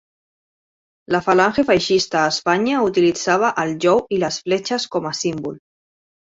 La Falange feixista a Espanya utilitzava el jou i les fletxes com a símbol.